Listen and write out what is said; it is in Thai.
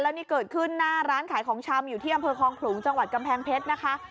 นี่เกิดขึ้นหน้าร้านขายของชำอยู่ที่อำเภอคลองขลุงจังหวัดกำแพงเพชรนะคะ